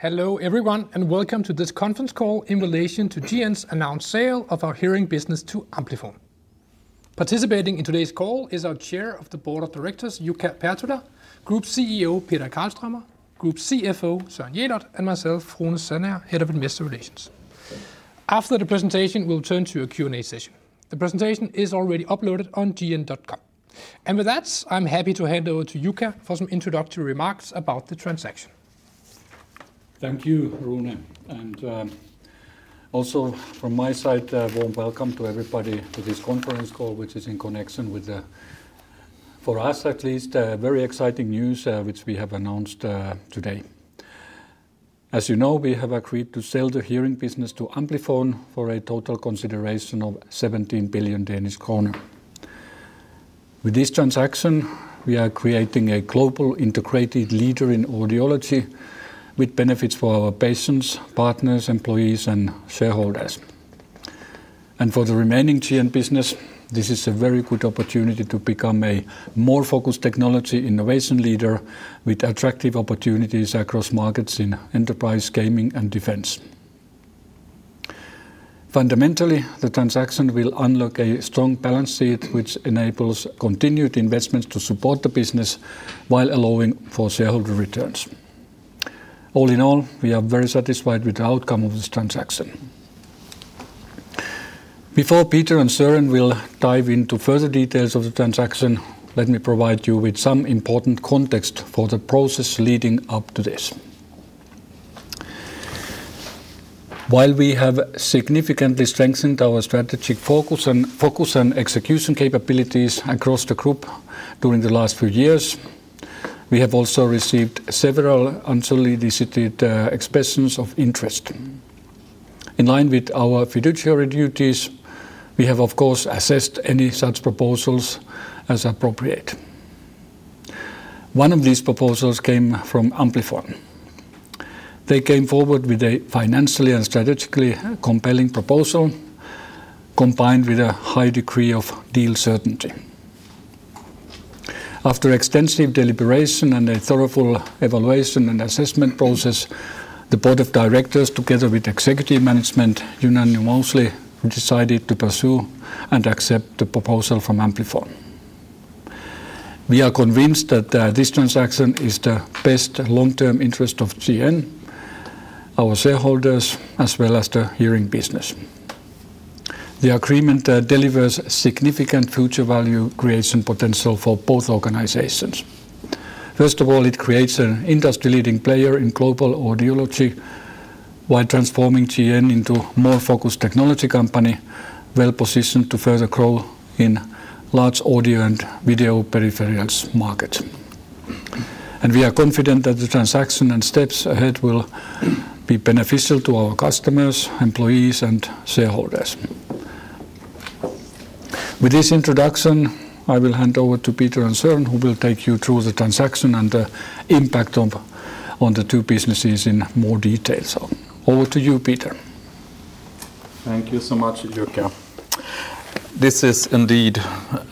Hello everyone, and welcome to this conference call in relation to GN's announced sale of our Hearing business to Amplifon. Participating in today's call is our Chair of the Board of Directors, Jukka Pertola, Group CEO Peter Karlstromer, Group CFO Søren Jelert, and myself, Rune Sandager, Head of Investor Relations. After the presentation, we'll turn to a Q&A session. The presentation is already uploaded on gn.com. With that, I'm happy to hand over to Jukka for some introductory remarks about the transaction. Thank you, Rune. Also from my side, a warm welcome to everybody to this conference call, which is in connection with the, for us at least, very exciting news, which we have announced, today. As you know, we have agreed to sell the Hearing business to Amplifon for a total consideration of 17 billion Danish kroner. With this transaction, we are creating a global integrated leader in audiology with benefits for our patients, partners, employees, and shareholders. For the remaining GN business, this is a very good opportunity to become a more focused technology innovation leader with attractive opportunities across markets in enterprise, gaming, and defense. Fundamentally, the transaction will unlock a strong balance sheet, which enables continued investments to support the business while allowing for shareholder returns. All in all, we are very satisfied with the outcome of this transaction. Before Peter and Søren will dive into further details of the transaction, let me provide you with some important context for the process leading up to this. While we have significantly strengthened our strategic focus and execution capabilities across the group during the last few years, we have also received several unsolicited expressions of interest. In line with our fiduciary duties, we have of course assessed any such proposals as appropriate. One of these proposals came from Amplifon. They came forward with a financially and strategically compelling proposal combined with a high degree of deal certainty. After extensive deliberation and a thorough evaluation and assessment process, the board of directors, together with executive management, unanimously decided to pursue and accept the proposal from Amplifon. We are convinced that this transaction is the best long-term interest of GN, our shareholders, as well as the Hearing business. The agreement delivers significant future value creation potential for both organizations. First of all, it creates an industry-leading player in global audiology while transforming GN into more focused technology company, well-positioned to further grow in large audio and video peripherals market. We are confident that the transaction and steps ahead will be beneficial to our customers, employees, and shareholders. With this introduction, I will hand over to Peter and Søren, who will take you through the transaction and the impact on the two businesses in more detail. Over to you, Peter. Thank you so much, Jukka. This is indeed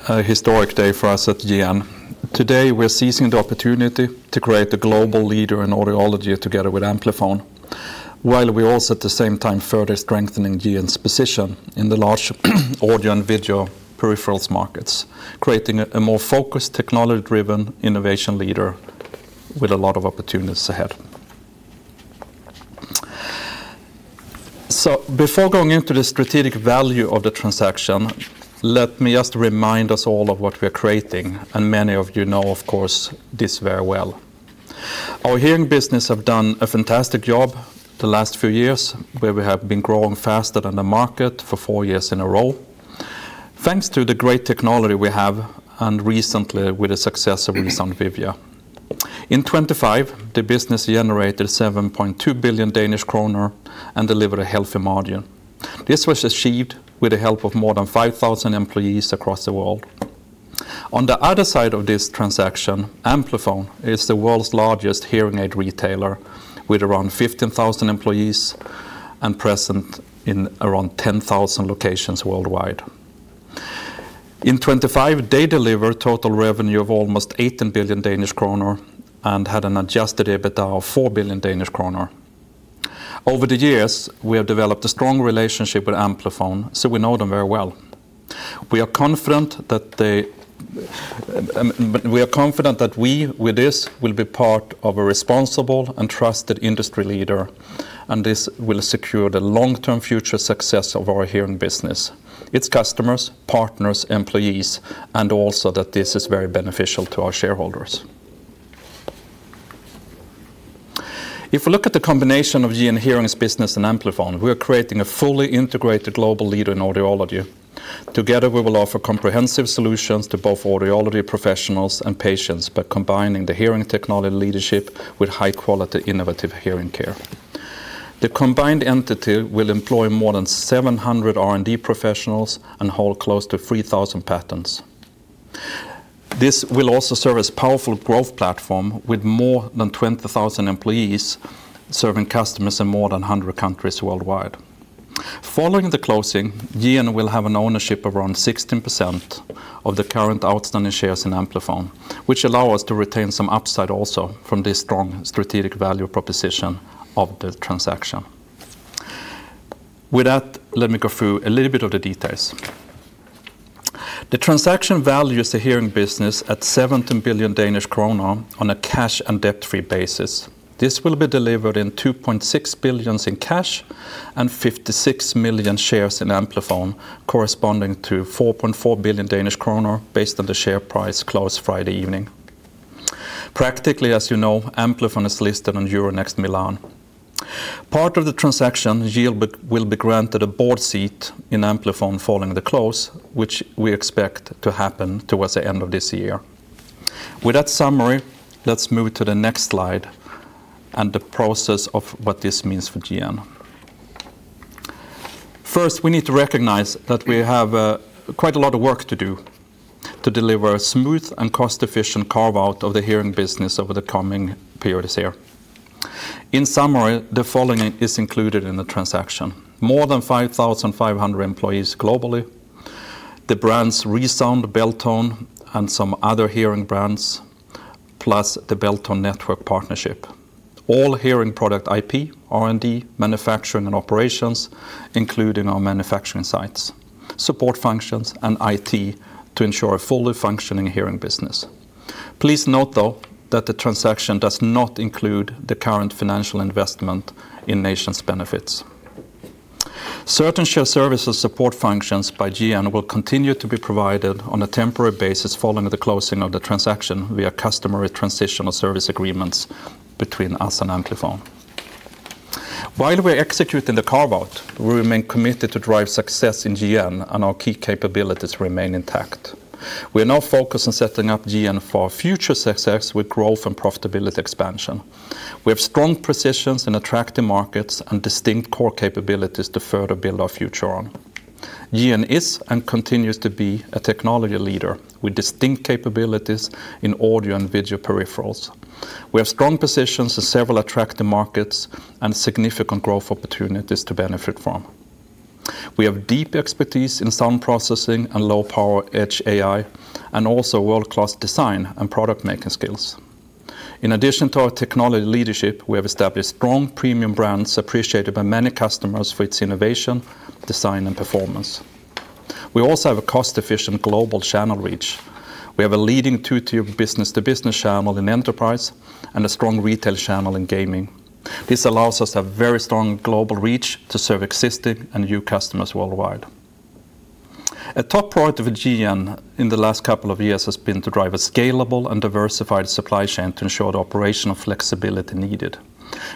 a historic day for us at GN. Today, we're seizing the opportunity to create the global leader in audiology together with Amplifon, while we also at the same time further strengthening GN's position in the large audio and video peripherals markets, creating a more focused, technology-driven innovation leader with a lot of opportunities ahead. Before going into the strategic value of the transaction, let me just remind us all of what we're creating, and many of you know, of course, this very well. Our Hearing business have done a fantastic job the last few years, where we have been growing faster than the market for four years in a row. Thanks to the great technology we have, and recently with the success of the ReSound Vivia. In 2025, the business generated 7.2 billion Danish kroner and delivered a healthy margin. This was achieved with the help of more than 5,000 employees across the world. On the other side of this transaction, Amplifon is the world's largest hearing aid retailer with around 15,000 employees and present in around 10,000 locations worldwide. In 2025, they delivered total revenue of almost 18 billion Danish kroner and had an adjusted EBITDA of 4 billion Danish kroner. Over the years, we have developed a strong relationship with Amplifon, so we know them very well. We are confident that we, with this, will be part of a responsible and trusted industry leader, and this will secure the long-term future success of our Hearing business, its customers, partners, employees, and also that this is very beneficial to our shareholders. If we look at the combination of GN Hearing's business and Amplifon, we are creating a fully integrated global leader in audiology. Together, we will offer comprehensive solutions to both audiology professionals and patients by combining the hearing technology leadership with high-quality, innovative hearing care. The combined entity will employ more than 700 R&D professionals and hold close to 3,000 patents. This will also serve as powerful growth platform with more than 20,000 employees serving customers in more than 100 countries worldwide. Following the closing, GN will have an ownership of around 16% of the current outstanding shares in Amplifon, which allow us to retain some upside also from this strong strategic value proposition of the transaction. With that, let me go through a little bit of the details. The transaction values the Hearing business at 17 billion Danish krone on a cash and debt-free basis. This will be delivered in 2.6 billion in cash and 56 million shares in Amplifon, corresponding to 4.4 billion Danish kroner based on the share price closed Friday evening. Practically, as you know, Amplifon is listed on Euronext Milan. Part of the transaction, we will be granted a board seat in Amplifon following the close, which we expect to happen towards the end of this year. With that summary, let's move to the next slide and the process of what this means for GN. First, we need to recognize that we have quite a lot of work to do to deliver a smooth and cost-efficient carve-out of the Hearing business over the coming periods here. In summary, the following is included in the transaction. More than 5,500 employees globally, the brands ReSound, Beltone, and some other hearing brands, plus the Beltone network partnership. All hearing product IP, R&D, manufacturing, and operations, including our manufacturing sites, support functions, and IT to ensure a fully functioning Hearing business. Please note, though, that the transaction does not include the current financial investment in NationsBenefits. Certain shared services support functions by GN will continue to be provided on a temporary basis following the closing of the transaction via customary transitional service agreements between us and Amplifon. While we're executing the carve-out, we remain committed to drive success in GN, and our key capabilities remain intact. We are now focused on setting up GN for future success with growth and profitability expansion. We have strong positions in attractive markets and distinct core capabilities to further build our future on. GN is and continues to be a technology leader with distinct capabilities in audio and video peripherals. We have strong positions in several attractive markets and significant growth opportunities to benefit from. We have deep expertise in sound processing and low-power edge AI, and also world-class design and product-making skills. In addition to our technology leadership, we have established strong premium brands appreciated by many customers for its innovation, design, and performance. We also have a cost-efficient global channel reach. We have a leading two-tier business-to-business channel in Enterprise and a strong retail channel in Gaming. This allows us a very strong global reach to serve existing and new customers worldwide. A top priority for GN in the last couple of years has been to drive a scalable and diversified supply chain to ensure the operational flexibility needed.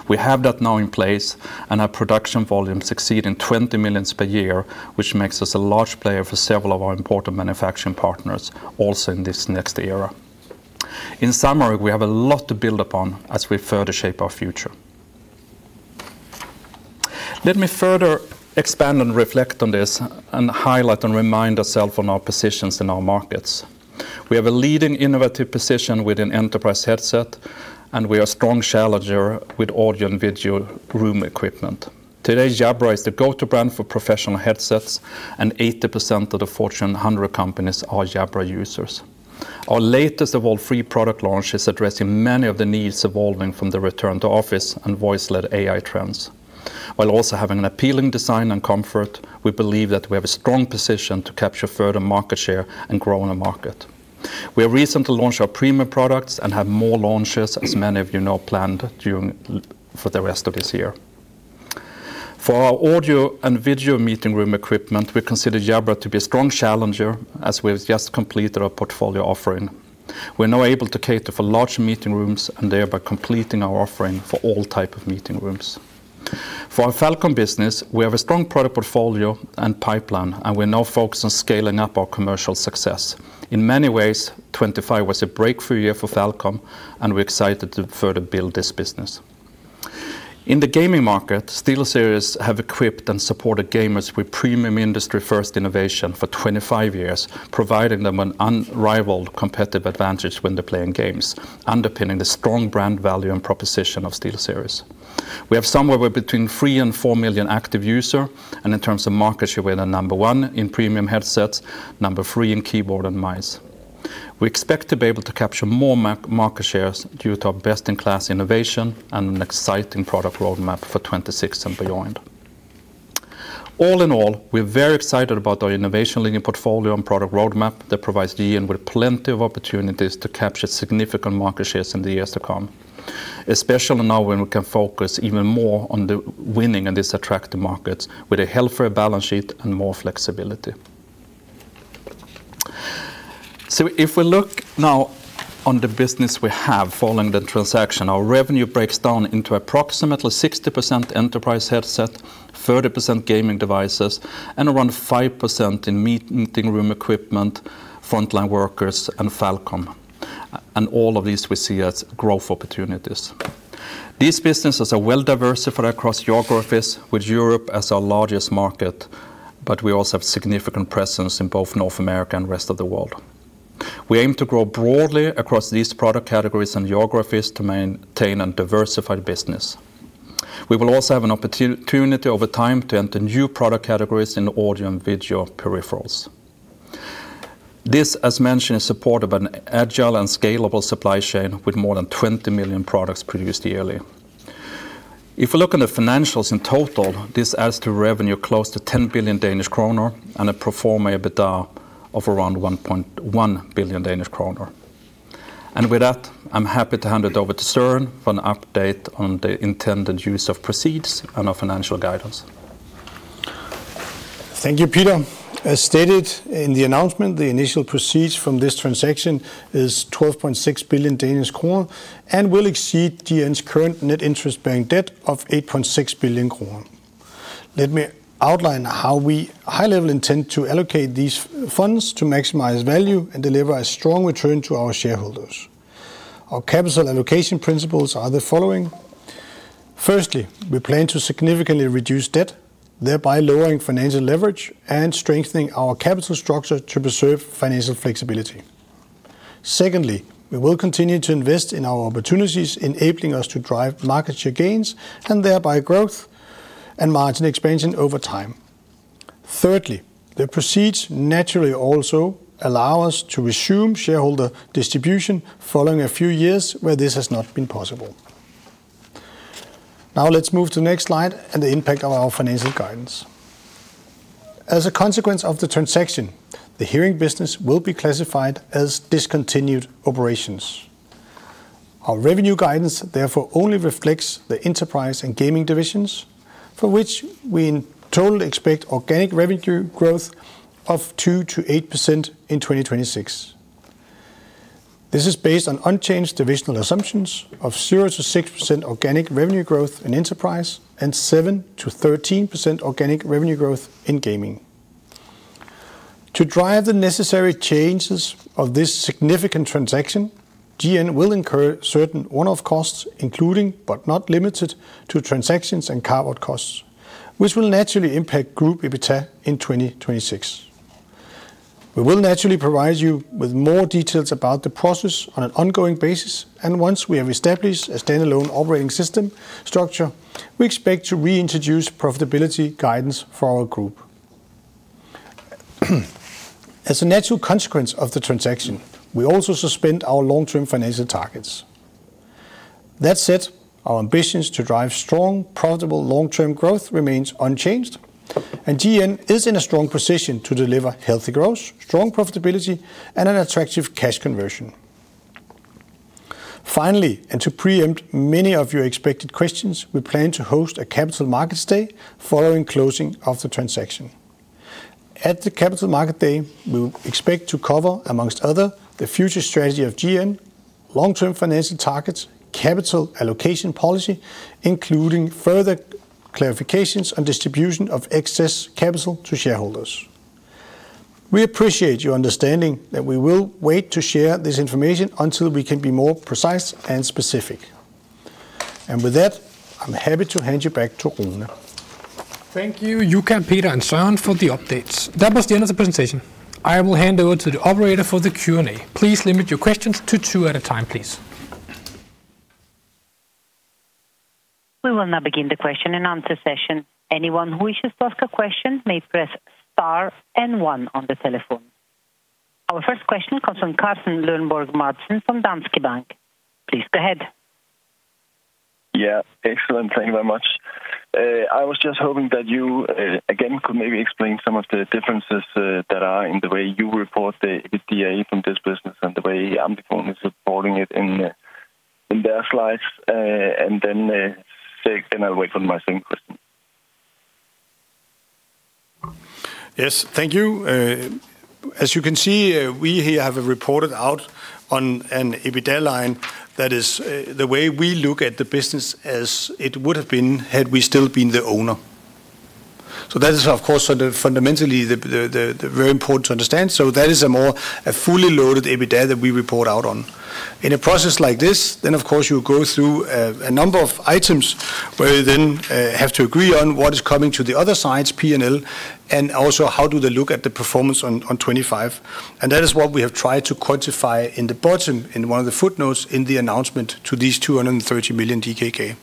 We have that now in place, and our production volumes exceed 20 million per year, which makes us a large player for several of our important manufacturing partners also in this next era. In summary, we have a lot to build upon as we further shape our future. Let me further expand and reflect on this and highlight and remind ourselves on our positions in our markets. We have a leading innovative position within enterprise headset, and we are a strong challenger with audio and video room equipment. Today, Jabra is the go-to brand for professional headsets, and 80% of the Fortune 100 companies are Jabra users. Our latest of all three product launch is addressing many of the needs evolving from the return to office and voice-led AI trends. While also having an appealing design and comfort, we believe that we have a strong position to capture further market share and grow in the market. We have recently launched our premium products and have more launches, as many of you know, planned for the rest of this year. For our audio and video meeting room equipment, we consider Jabra to be a strong challenger as we've just completed our portfolio offering. We're now able to cater for larger meeting rooms and thereby completing our offering for all type of meeting rooms. For our FalCom business, we have a strong product portfolio and pipeline, and we're now focused on scaling up our commercial success. In many ways, 2025 was a breakthrough year for FalCom, and we're excited to further build this business. In the gaming market, SteelSeries has equipped and supported gamers with premium industry-first innovation for 25 years, providing them an unrivaled competitive advantage when they're playing games, underpinning the strong brand value and proposition of SteelSeries. We have somewhere between 3 million and 4 million active users, and in terms of market share, we are the number one in premium headsets, number three in keyboards and mice. We expect to be able to capture more market shares due to our best-in-class innovation and an exciting product roadmap for 2026 and beyond. All in all, we're very excited about our innovation-leading portfolio and product roadmap that provides GN with plenty of opportunities to capture significant market shares in the years to come, especially now when we can focus even more on winning in this attractive market with a healthier balance sheet and more flexibility. If we look now on the business we have following the transaction, our revenue breaks down into approximately 60% enterprise headset, 30% gaming devices, and around 5% in meeting room equipment, frontline workers, and FalCom. All of these we see as growth opportunities. These businesses are well-diversified across geographies, with Europe as our largest market, but we also have significant presence in both North America and the rest of the world. We aim to grow broadly across these product categories and geographies to maintain and diversify the business. We will also have an opportunity over time to enter new product categories in audio and video peripherals. This, as mentioned, is supported by an agile and scalable supply chain with more than 20 million products produced yearly. If you look at the financials in total, this adds to revenue close to 10 billion Danish kroner and a pro forma EBITDA of around 1.1 billion Danish kroner. With that, I'm happy to hand it over to Søren for an update on the intended use of proceeds and our financial guidance. Thank you, Peter. As stated in the announcement, the initial proceeds from this transaction is 12.6 billion Danish kroner and will exceed GN's current net interest-bearing debt of 8.6 billion kroner. Let me outline how we high level intend to allocate these funds to maximize value and deliver a strong return to our shareholders. Our capital allocation principles are the following. Firstly, we plan to significantly reduce debt, thereby lowering financial leverage and strengthening our capital structure to preserve financial flexibility. Secondly, we will continue to invest in our opportunities, enabling us to drive market share gains and thereby growth and margin expansion over time. Thirdly, the proceeds naturally also allow us to resume shareholder distribution following a few years where this has not been possible. Now let's move to the next slide and the impact on our financial guidance. As a consequence of the transaction, the Hearing business will be classified as discontinued operations. Our revenue guidance therefore only reflects the Enterprise and Gaming divisions, for which we in total expect organic revenue growth of 2%-8% in 2026. This is based on unchanged divisional assumptions of 0%-6% organic revenue growth in Enterprise and 7%-13% organic revenue growth in Gaming. To drive the necessary changes of this significant transaction, GN will incur certain one-off costs, including, but not limited to, transactions and carve-out costs, which will naturally impact group EBITDA in 2026. We will naturally provide you with more details about the process on an ongoing basis, and once we have established a stand-alone operating system structure, we expect to reintroduce profitability guidance for our group. As a natural consequence of the transaction, we also suspend our long-term financial targets. That said, our ambitions to drive strong, profitable long-term growth remains unchanged, and GN is in a strong position to deliver healthy growth, strong profitability, and an attractive cash conversion. Finally, and to preempt many of your expected questions, we plan to host a Capital Markets Day following closing of the transaction. At the Capital Markets Day, we expect to cover, among other, the future strategy of GN, long-term financial targets, capital allocation policy, including further clarifications on distribution of excess capital to shareholders. We appreciate your understanding that we will wait to share this information until we can be more precise and specific. With that, I'm happy to hand you back to Rune. Thank you, Jukka, Peter, and Søren, for the updates. That was the end of the presentation. I will hand over to the operator for the Q&A. Please limit your questions to two at a time, please. We will now begin the question-and-answer session. Anyone who wishes to ask a question may press star and one on the telephone. Our first question comes from Carsten Lønborg Madsen from Danske Bank. Please go ahead. Yeah. Excellent. Thank you very much. I was just hoping that you, again, could maybe explain some of the differences that are in the way you report the EBITDA from this business and the way Amplifon is reporting it in their slides. I'll wait for my second question. Yes. Thank you. As you can see, we here have reported out on an EBITDA line that is, the way we look at the business as it would have been had we still been the owner. That is, of course, sort of fundamentally the very important to understand. That is a more, a fully loaded EBITDA that we report out on. In a process like this, then of course you go through, a number of items where you then, have to agree on what is coming to the other side's P&L, and also how do they look at the performance on 2025. That is what we have tried to quantify in the bottom in one of the footnotes in the announcement to these 230 million DKK.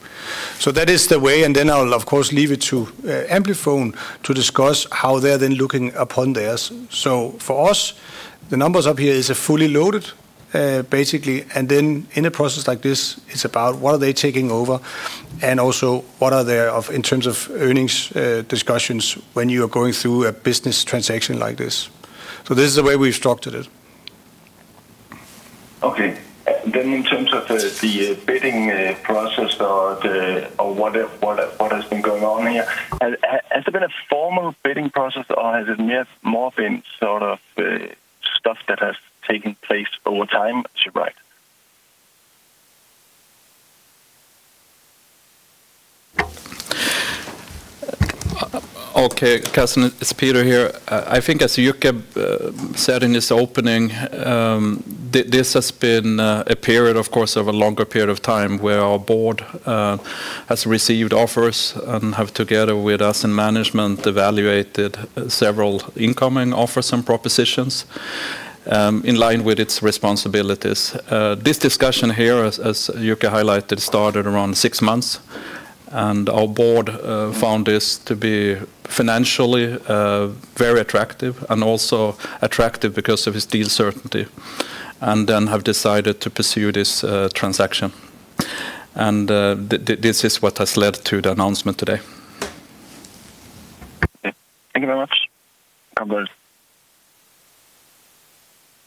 That is the way, and then I will of course leave it to Amplifon to discuss how they're then looking upon theirs. For us, the numbers up here is a fully loaded, basically, and then in a process like this, it's about what are they taking over and also what are thereof in terms of earnings discussions when you are going through a business transaction like this. This is the way we've structured it. In terms of the bidding process or what has been going on here, has there been a formal bidding process or has it more been sort of stuff that has taken place over time to buy it? Okay. Carsten, it's Peter here. I think as Jukka said in his opening, this has been, of course, a period of a longer period of time where our board has received offers and have, together with us and management, evaluated several incoming offers and propositions in line with its responsibilities. This discussion here as Jukka highlighted, started around six months, and our board found this to be financially very attractive and also attractive because of its deal certainty, and then have decided to pursue this transaction. This is what has led to the announcement today. Thank you very much.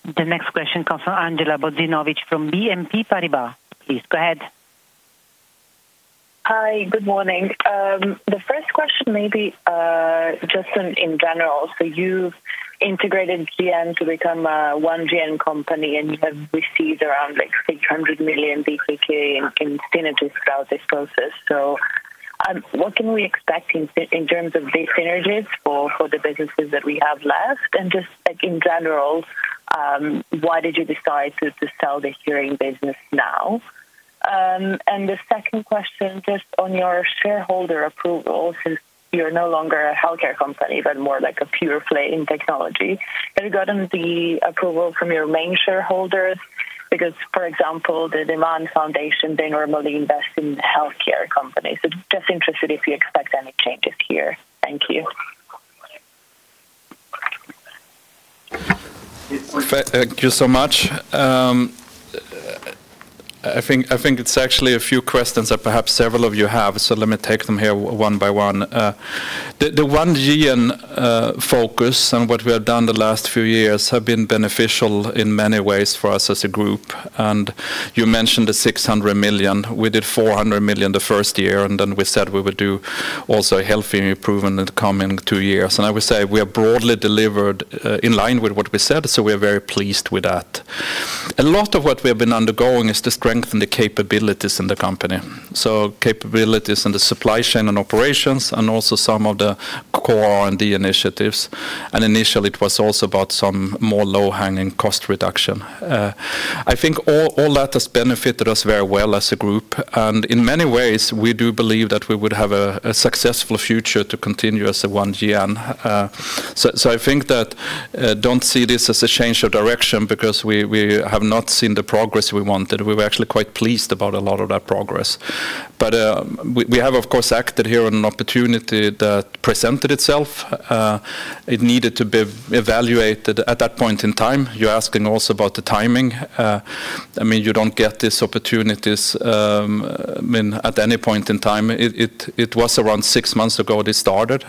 The next question comes from Andjela Bozinovic from BNP Paribas. Please go ahead. Hi, good morning. The first question may be just in general. You've integrated GN to become a One-GN company, and you have received around like 600 million in synergies throughout this process. What can we expect in terms of these synergies for the businesses that we have left? Just like in general, why did you decide to sell the Hearing business now? The second question, just on your shareholder approval, since you're no longer a healthcare company but more like a pure play in technology, have you gotten the approval from your main shareholders? Because, for example, the Demant Foundation, they normally invest in healthcare companies. Just interested if you expect any changes here. Thank you. Thank you so much. I think it's actually a few questions that perhaps several of you have. Let me take them here one by one. The One-GN focus and what we have done the last few years have been beneficial in many ways for us as a group. You mentioned the 600 million. We did 400 million the first year, and then we said we would do also a healthy improvement in the coming two years. I would say we are broadly delivered in line with what we said, so we're very pleased with that. A lot of what we have been undergoing is to strengthen the capabilities in the company. Capabilities in the supply chain and operations and also some of the core R&D initiatives. Initially, it was also about some more low-hanging cost reduction. I think all that has benefited us very well as a group, and in many ways, we do believe that we would have a successful future to continue as One-GN. I think that don't see this as a change of direction because we have not seen the progress we wanted. We were actually quite pleased about a lot of that progress. We have of course acted here on an opportunity that presented itself. It needed to be evaluated at that point in time. You're asking also about the timing. I mean, you don't get these opportunities, I mean, at any point in time. It was around six months ago this started.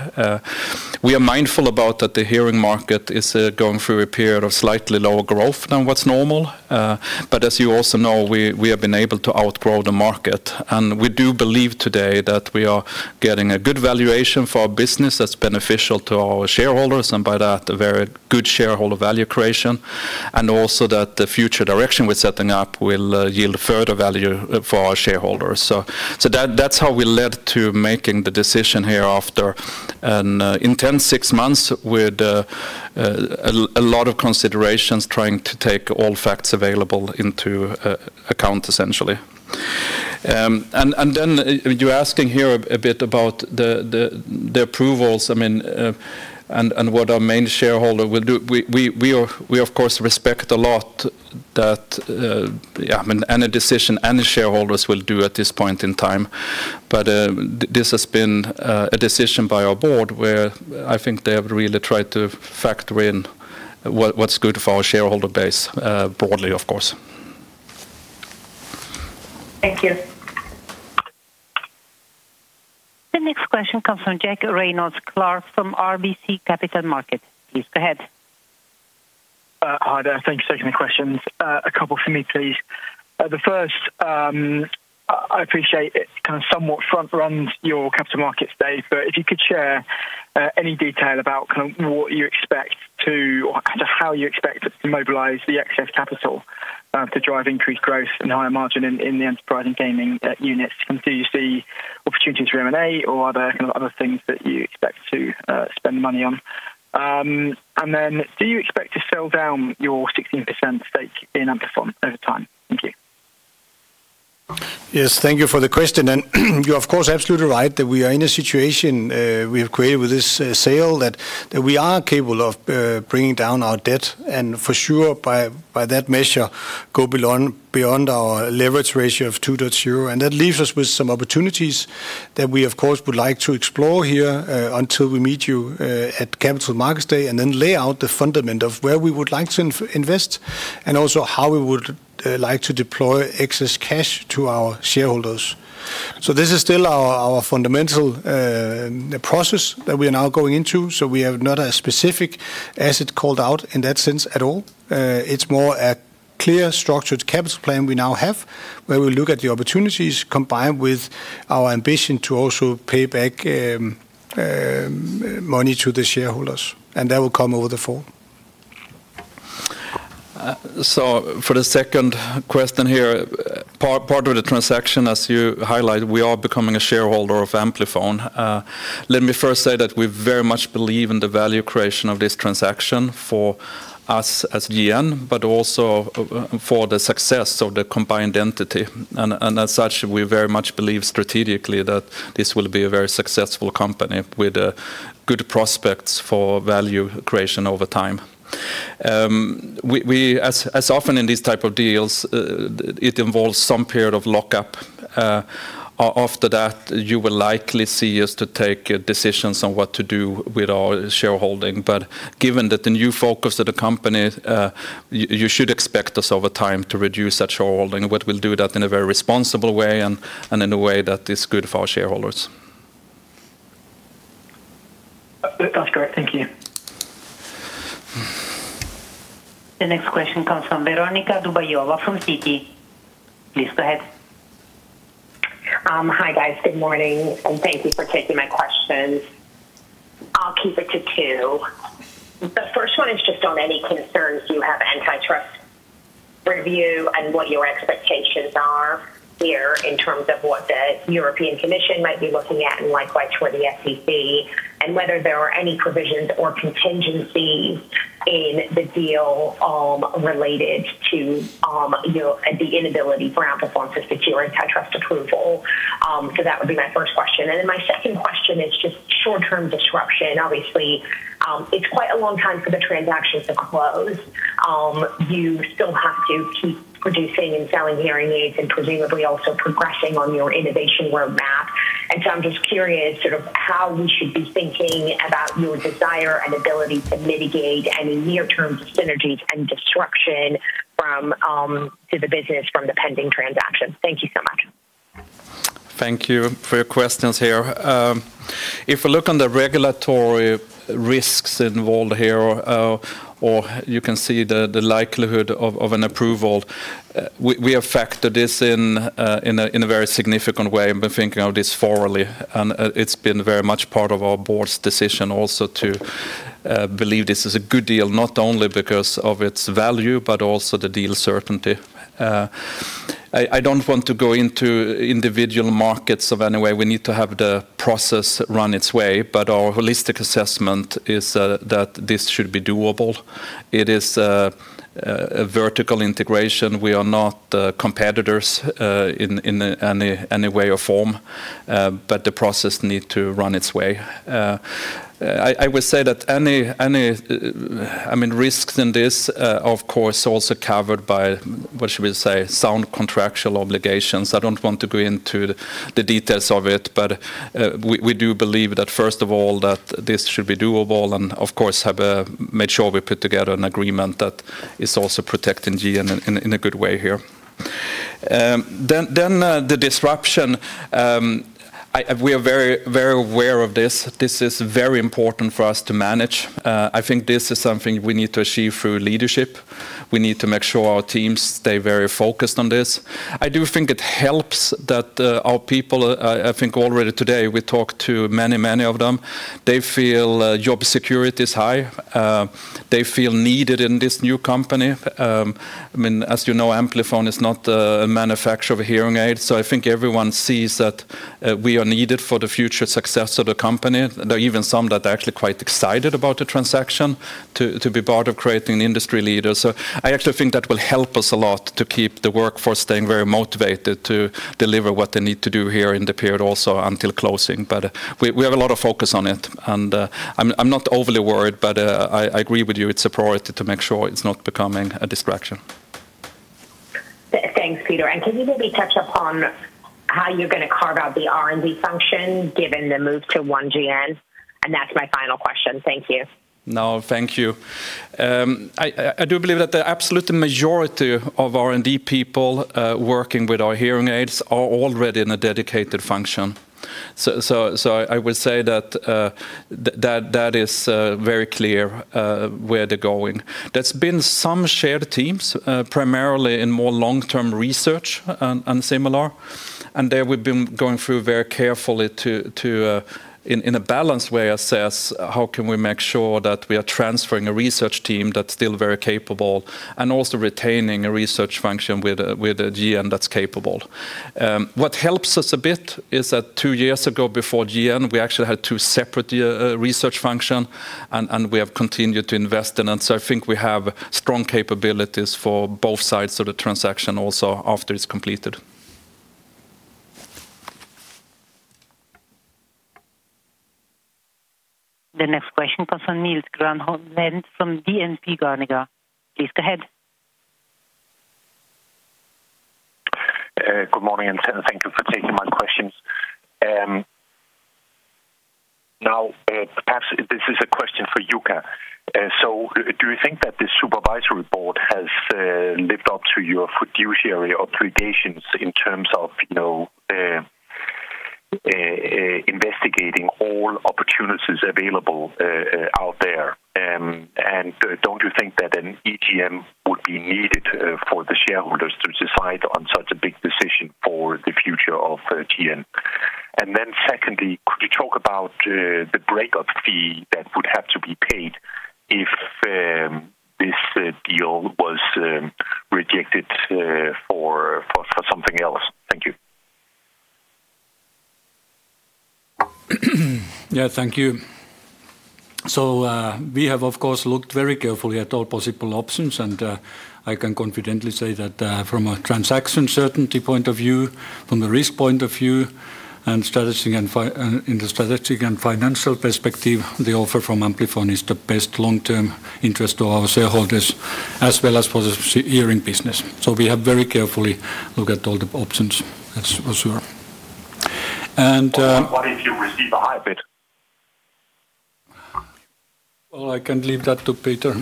We are mindful about that the hearing market is going through a period of slightly lower growth than what's normal. As you also know, we have been able to outgrow the market, and we do believe today that we are getting a good valuation for our business that's beneficial to our shareholders, and by that a very good shareholder value creation, and also that the future direction we're setting up will yield further value for our shareholders. That's how we led to making the decision here after an intense six months with a lot of considerations trying to take all facts available into account essentially. You're asking here a bit about the approvals, I mean, and what our main shareholder will do. We of course respect a lot that I mean any decision any shareholders will do at this point in time. This has been a decision by our board where I think they have really tried to factor in what's good for our shareholder base broadly of course. Thank you. The next question comes from Jack Reynolds-Clark from RBC Capital Markets. Please go ahead. Hi there. Thank you for taking the questions. A couple for me, please. The first, I appreciate it kind of somewhat front runs your Capital Markets Day, but if you could share any detail about kind of what you expect to or kind of how you expect to mobilize the excess capital to drive increased growth and higher margin in the Enterprise and Gaming units. Do you see opportunities for M&A or are there other things that you expect to spend money on? Do you expect to sell down your 16% stake in Amplifon over time? Thank you. Yes, thank you for the question. You're of course absolutely right that we are in a situation we have created with this sale that we are capable of bringing down our debt and for sure by that measure go beyond our leverage ratio of 2.0. That leaves us with some opportunities that we of course would like to explore here until we meet you at Capital Markets Day and then lay out the fundament of where we would like to invest and also how we would like to deploy excess cash to our shareholders. This is still our fundamental process that we are now going into, so we have not a specific asset called out in that sense at all. It's more a clear structured capital plan we now have, where we look at the opportunities combined with our ambition to also pay back money to the shareholders, and that will come over the fall. For the second question here, part of the transaction, as you highlighted, we are becoming a shareholder of Amplifon. Let me first say that we very much believe in the value creation of this transaction for us as GN, but also for the success of the combined entity. As such, we very much believe strategically that this will be a very successful company with good prospects for value creation over time. Often in these type of deals, it involves some period of lockup. After that, you will likely see us to take decisions on what to do with our shareholding. Given that the new focus of the company, you should expect us over time to reduce that shareholding, but we'll do that in a very responsible way and in a way that is good for our shareholders. That's great. Thank you. The next question comes from Veronika Dubajova from Citi. Please go ahead. Hi, guys. Good morning, and thank you for taking my questions. I'll keep it to two. The first one is just on any concerns you have antitrust review and what your expectations are here in terms of what the European Commission might be looking at, and likewise for the FTC, and whether there are any provisions or contingencies in the deal, related to, you know, the inability for Amplifon to secure antitrust approval. That would be my first question. My second question is just short-term disruption. Obviously, it's quite a long time for the transaction to close. You still have to keep producing and selling hearing aids and presumably also progressing on your innovation roadmap. I'm just curious sort of how we should be thinking about your desire and ability to mitigate any near-term synergies and disruption from, to the business from the pending transaction. Thank you so much. Thank you for your questions here. If you look on the regulatory risks involved here, or you can see the likelihood of an approval, we have factored this in in a very significant way and been thinking of this forwardly. It's been very much part of our board's decision also to believe this is a good deal, not only because of its value, but also the deal certainty. I don't want to go into individual markets in any way. We need to have the process run its way, but our holistic assessment is that this should be doable. It is a vertical integration. We are not competitors in any way or form, but the process need to run its way. I would say that any, I mean, risks in this, of course, also covered by sound contractual obligations. I don't want to go into the details of it, but we do believe that, first of all, that this should be doable and of course have made sure we put together an agreement that is also protecting GN in a good way here. The disruption, we are very aware of this. This is very important for us to manage. I think this is something we need to achieve through leadership. We need to make sure our teams stay very focused on this. I do think it helps that our people, I think, already today we talked to many of them. They feel job security is high. They feel needed in this new company. I mean, as you know, Amplifon is not a manufacturer of hearing aids, so I think everyone sees that we are needed for the future success of the company. There are even some that are actually quite excited about the transaction to be part of creating an industry leader. I actually think that will help us a lot to keep the workforce staying very motivated to deliver what they need to do here in the period also until closing. We have a lot of focus on it, and I'm not overly worried, but I agree with you. It's a priority to make sure it's not becoming a distraction. Thanks, Peter. Can you maybe touch upon how you're gonna carve out the R&D function given the move to One-GN? That's my final question. Thank you. No, thank you. I do believe that the absolute majority of R&D people working with our hearing aids are already in a dedicated function. I would say that that is very clear where they're going. There's been some shared teams primarily in more long-term research and similar. There we've been going through very carefully to in a balanced way assess how can we make sure that we are transferring a research team that's still very capable and also retaining a research function with a GN that's capable. What helps us a bit is that two years ago before GN, we actually had two separate research function and we have continued to invest in it. I think we have strong capabilities for both sides of the transaction also after it's completed. The next question comes from Niels Granholm-Leth from DNB Carnegie. Please go ahead. Good morning, and thank you for taking my questions. Now, perhaps this is a question for Jukka. So do you think that the supervisory board has lived up to your fiduciary obligations in terms of, you know, investigating all opportunities available out there? Don't you think that an EGM would be needed for the shareholders to decide on such a big decision for the future of GN? Secondly, could you talk about the breakup fee that would have to be paid if this deal was rejected for something else? Thank you. Yeah. Thank you. We have of course looked very carefully at all possible options, and I can confidently say that from a transaction certainty point of view, from a risk point of view and in the strategic and financial perspective, the offer from Amplifon is the best long-term interest of our shareholders as well as for the Hearing business. We have very carefully looked at all the options. That's for sure. What if you receive a higher bid? Well, I can leave that to Peter.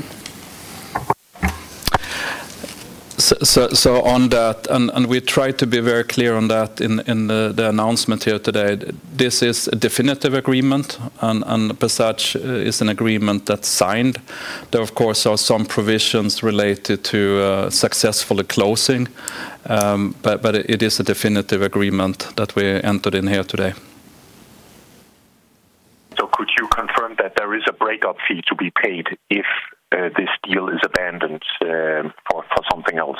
On that, we tried to be very clear on that in the announcement here today. This is a definitive agreement and, as such, is an agreement that's signed. There are, of course, some provisions related to successfully closing, but it is a definitive agreement that we entered into here today. Could you confirm that there is a breakup fee to be paid if this deal is abandoned for something else?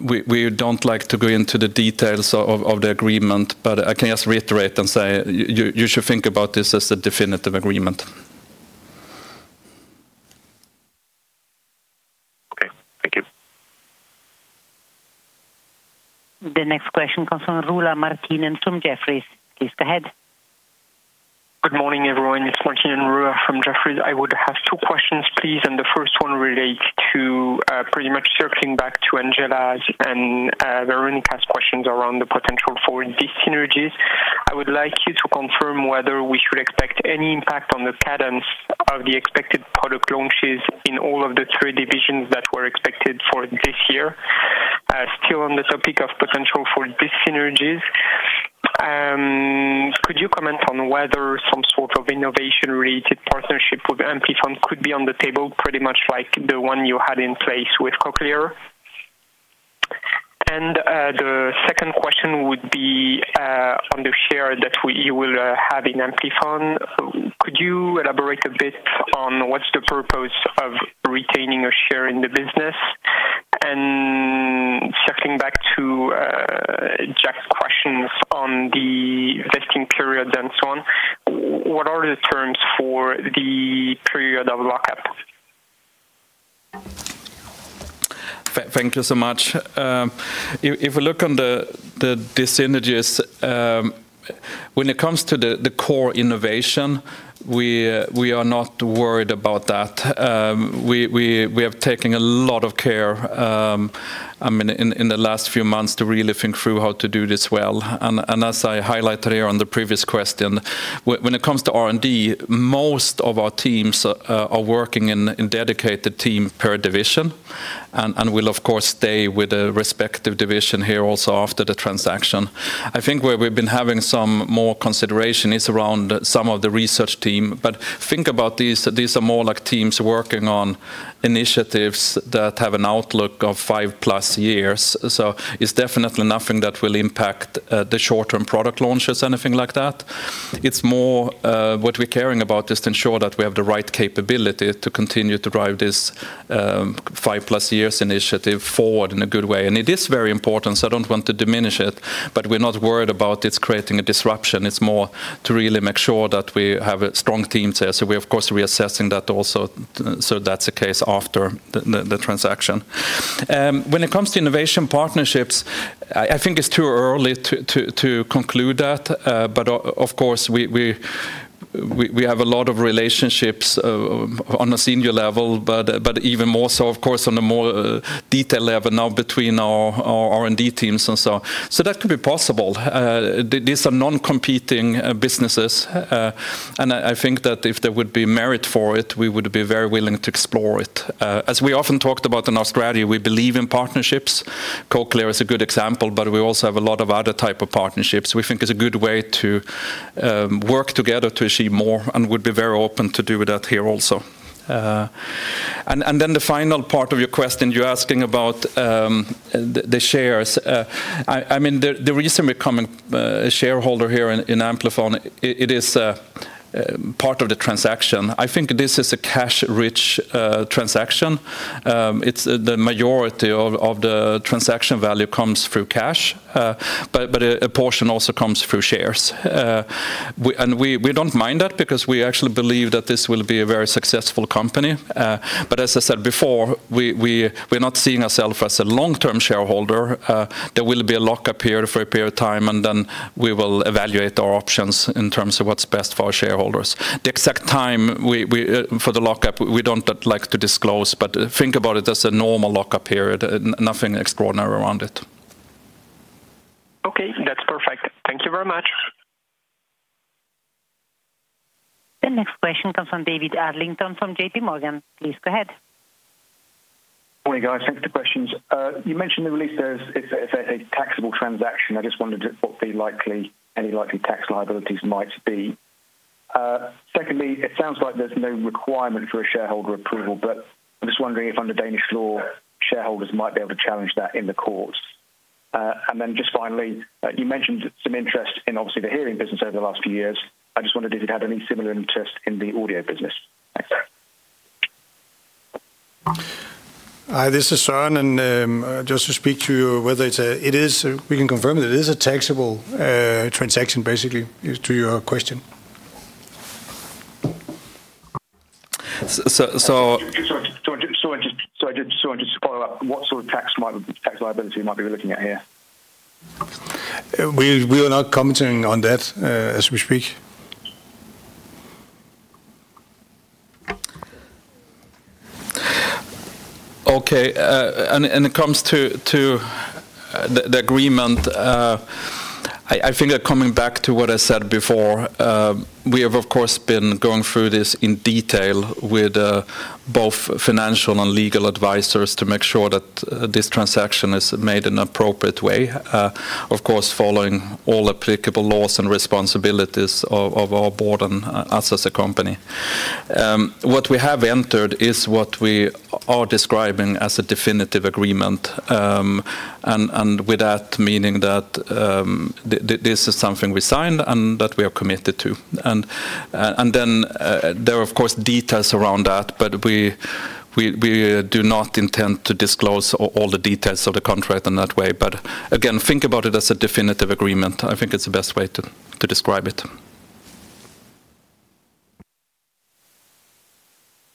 We don't like to go into the details of the agreement, but I can just reiterate and say you should think about this as a definitive agreement. Okay. Thank you. The next question comes from Rula Martinien from Jefferies. Please go ahead. Good morning, everyone. It's Martinien Rula from Jefferies. I would have two questions, please, and the first one relates to pretty much circling back to Andjela's and Veronika's questions around the potential for these synergies. I would like you to confirm whether we should expect any impact on the cadence of the expected product launches in all of the three divisions that were expected for this year. Still on the topic of potential for these synergies, could you comment on whether some sort of innovation-related partnership with Amplifon could be on the table, pretty much like the one you had in place with Cochlear? The second question would be on the share that you will have in Amplifon. Could you elaborate a bit on what's the purpose of retaining a share in the business? Circling back to Jack's questions on the vesting period and so on, what are the terms for the period of lockup? Thank you so much. If we look at the synergies, when it comes to the core innovation, we are not worried about that. We have taken a lot of care, I mean, in the last few months to really think through how to do this well. As I highlighted here on the previous question, when it comes to R&D, most of our teams are working in dedicated teams per division and will of course stay with the respective division here also after the transaction. I think where we've been having some more consideration is around some of the research team. Think about these are more like teams working on initiatives that have an outlook of 5+ years. It's definitely nothing that will impact the short-term product launches, anything like that. It's more what we're caring about is to ensure that we have the right capability to continue to drive this 5+ years initiative forward in a good way. It is very important, so I don't want to diminish it, but we're not worried about it's creating a disruption. It's more to really make sure that we have a strong team there. We're of course reassessing that also so that's the case after the transaction. When it comes to innovation partnerships, I think it's too early to conclude that. Of course we have a lot of relationships on a senior level, but even more so of course on a more detailed level now between our R&D teams and so on. That could be possible. These are non-competing businesses. I think that if there would be merit for it, we would be very willing to explore it. As we often talked about in audiology, we believe in partnerships. Cochlear is a good example, but we also have a lot of other type of partnerships. We think it's a good way to work together to achieve more and would be very open to do that here also. Then the final part of your question, you're asking about the shares. I mean, the reason we're becoming a shareholder here in Amplifon, it is part of the transaction. I think this is a cash-rich transaction. It's the majority of the transaction value comes through cash. A portion also comes through shares. We don't mind that because we actually believe that this will be a very successful company. As I said before, we're not seeing ourselves as a long-term shareholder. There will be a lock-up period for a period of time, and then we will evaluate our options in terms of what's best for our shareholders. The exact time for the lock-up, we don't like to disclose, but think about it as a normal lock-up period. Nothing extraordinary around it. Okay. That's perfect. Thank you very much. The next question comes from David Adlington from JPMorgan. Please go ahead. Morning, guys. Thank you for the questions. You mentioned the release. There's it's a taxable transaction. I just wondered what any likely tax liabilities might be. Secondly, it sounds like there's no requirement for a shareholder approval, but I'm just wondering if under Danish law, shareholders might be able to challenge that in the courts. Then just finally, you mentioned some interest in obviously the Hearing business over the last few years. I just wondered if you'd had any similar interest in the audio business. Thanks. Hi, this is Søren, and just to speak to whether it's. It is, we can confirm that it is a taxable transaction basically to your question. So, Sorry, just to follow up, what sort of tax liability might we be looking at here? We are not commenting on that as we speak. Okay, it comes to the agreement. I think that coming back to what I said before, we have, of course, been going through this in detail with both financial and legal advisors to make sure that this transaction is made in an appropriate way. Of course, following all applicable laws and responsibilities of our board and us as a company. What we have entered is what we are describing as a definitive agreement. With that meaning that this is something we signed and that we are committed to. There are of course details around that, but we do not intend to disclose all the details of the contract in that way. Again, think about it as a definitive agreement. I think it's the best way to describe it.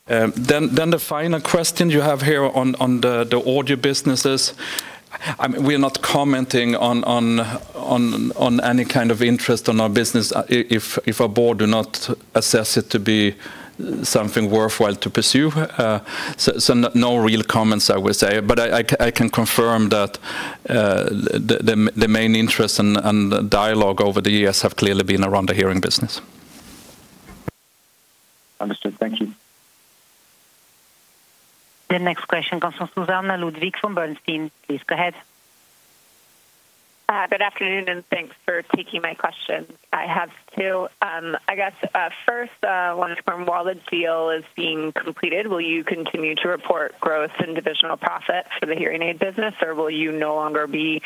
The final question you have here on the audio businesses. We're not commenting on any kind of interest on our business if our board do not assess it to be something worthwhile to pursue. No real comments I would say. I can confirm that the main interest and dialogue over the years have clearly been around the Hearing business. Understood. Thank you. The next question comes from Susannah Ludwig from Bernstein. Please go ahead. Good afternoon, thanks for taking my question. I have two. I guess first, once the Amplifon deal is being completed, will you continue to report growth and divisional profit for the hearing aid business, or will you no longer be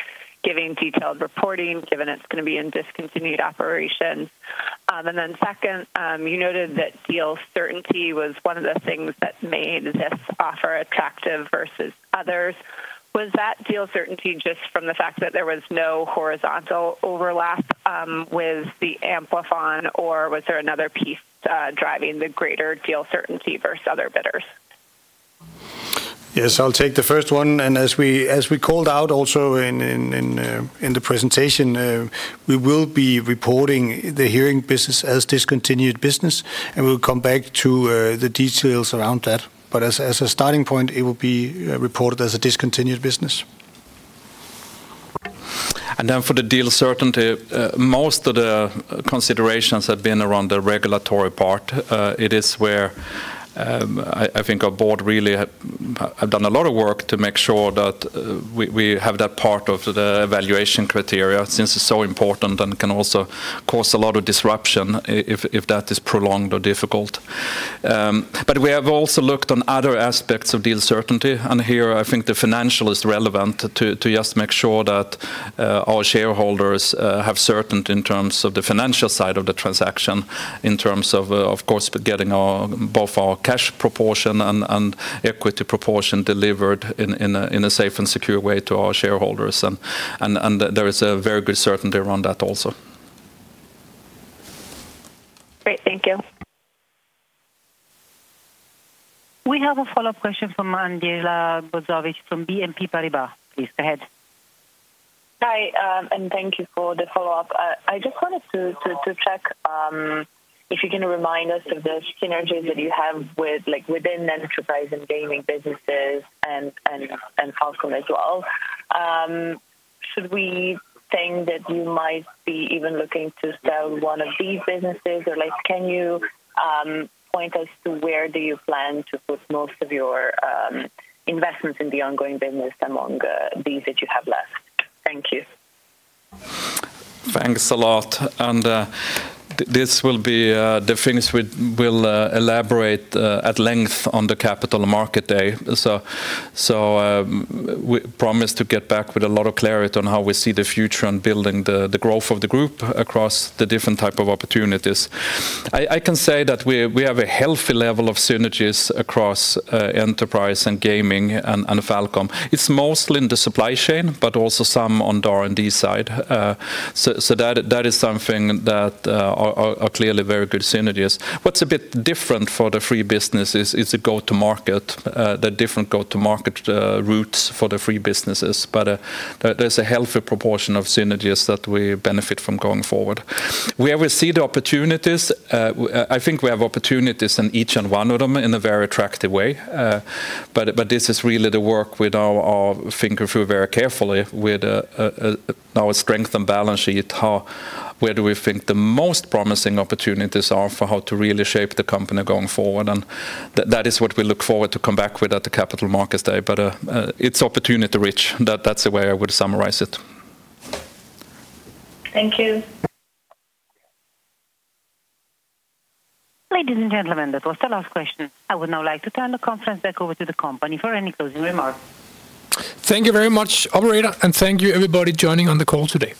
giving detailed reporting given it's gonna be in discontinued operations? Second, you noted that deal certainty was one of the things that made this offer attractive versus others. Was that deal certainty just from the fact that there was no horizontal overlap with the Amplifon, or was there another piece driving the greater deal certainty versus other bidders? Yes, I'll take the first one, and as we called out also in the presentation, we will be reporting the Hearing business as discontinued business, and we'll come back to the details around that. As a starting point, it will be reported as a discontinued business. For the deal certainty, most of the considerations have been around the regulatory part. It is where I think our board really have done a lot of work to make sure that we have that part of the evaluation criteria since it's so important and can also cause a lot of disruption if that is prolonged or difficult. We have also looked on other aspects of deal certainty, and here I think the financial is relevant to just make sure that our shareholders have certainty in terms of the financial side of the transaction, in terms of course, getting both our cash proportion and equity proportion delivered in a safe and secure way to our shareholders. There is a very good certainty around that also. Great. Thank you. We have a follow-up question from Andjela Bozinovic from BNP Paribas. Please go ahead. Hi, thank you for the follow-up. I just wanted to check if you can remind us of the synergies that you have with, like, within Enterprise and Gaming businesses and FalCom as well. Should we think that you might be even looking to sell one of these businesses? Like, can you point us to where do you plan to put most of your investments in the ongoing business among these that you have left? Thank you. Thanks a lot. This will be the things we will elaborate at length on the Capital Markets Day. So, we promise to get back with a lot of clarity on how we see the future and building the growth of the group across the different type of opportunities. I can say that we have a healthy level of synergies across Enterprise and Gaming and FalCom. It's mostly in the supply chain, but also some on the R&D side. So that is something that are clearly very good synergies. What's a bit different for the three businesses is the different go-to-market routes for the three businesses. There's a healthy proportion of synergies that we benefit from going forward. Where we see the opportunities, I think we have opportunities in each and one of them in a very attractive way. This is really the work to think through very carefully with our strengths and balance sheet, where do we think the most promising opportunities are for how to really shape the company going forward. That is what we look forward to come back with at the Capital Markets Day. It's opportunity rich. That's the way I would summarize it. Thank you. Ladies and gentlemen, that was the last question. I would now like to turn the conference back over to the company for any closing remarks. Thank you very much, operator, and thank you everybody joining on the call today.